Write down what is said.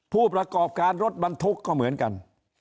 ผู้ประกอบการรถบรรทุกก็เหมือนกัน